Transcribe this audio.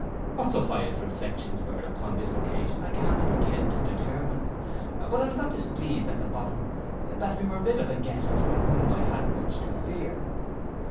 What Sophia's reflections were upon this occasion, I can't pretend to determine; but I was not displeased at the bottom that we were rid of a guest from whom I had much to fear.